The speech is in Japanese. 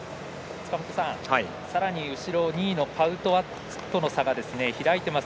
さらに後ろ２位のパウトワとの差が開いています。